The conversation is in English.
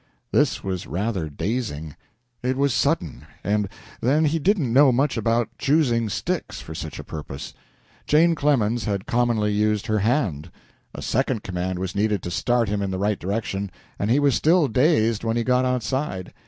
This was rather dazing. It was sudden, and, then, he did not know much about choosing sticks for such a purpose. Jane Clemens had commonly used her hand. A second command was needed to start him in the right direction, and he was still dazed when he got outside.